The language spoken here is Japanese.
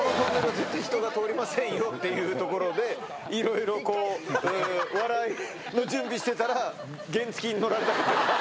絶対人が通りませんよっていう所でいろいろこう笑いの準備してたら原付に乗られた方が。